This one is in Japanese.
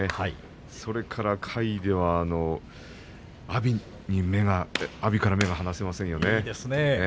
それから下位のほうでは阿炎から目が離せませんね。